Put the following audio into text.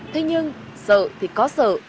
thế nhưng sợ thì có sợ